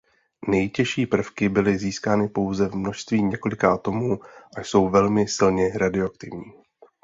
Nejtěžší prvky byly získány pouze v množství několika atomů a jsou velmi silně radioaktivní.